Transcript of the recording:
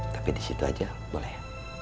tapi disitu aja boleh